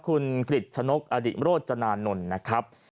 คุณกริจชะนกอดิโรจนานนท์นะครับ